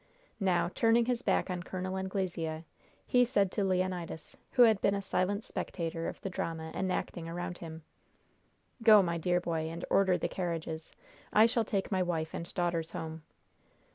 Now, turning his back on Col. Anglesea, he said to Leonidas, who had been a silent spectator of the drama enacting around him: "Go, my dear boy, and order the carriages. I shall take my wife and daughters home."